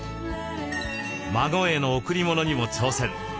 孫への贈り物にも挑戦。